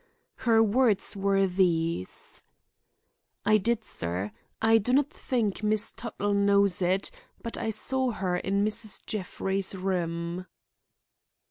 Her words were these: "I did sir. I do not think Miss Tuttle knows it, but I saw her in Mrs. Jeffrey's room."